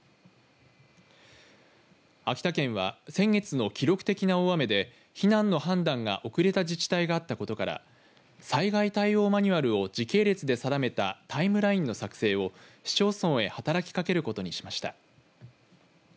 秋田県は先月の記録的な大雨で避難の判断が遅れた自治体があったことから災害対応マニュアルを時系列で定めたタイムラインの作成を市町村へ働きかけることにしました。